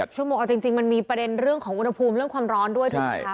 ชั่วโมงเอาจริงมันมีประเด็นเรื่องของอุณหภูมิเรื่องความร้อนด้วยถูกไหมคะ